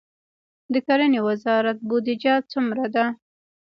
د کرنې وزارت بودیجه څومره ده؟